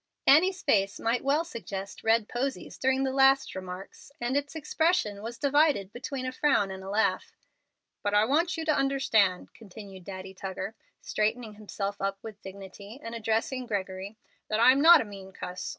Annie's face might well suggest "red posies" during the last remarks, and its expression was divided between a frown and a laugh. "But I want you to understand," continued Daddy Tuggar, straightening himself up with dignity, and addressing Gregory, "that I'm not a mean cuss.